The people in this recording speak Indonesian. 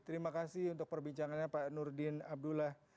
terima kasih untuk perbincangannya pak nurdin abdullah